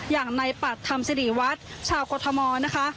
อย่างในปรัฐธรรมสิริวัฒน์ชาวกฎมอลนะคะ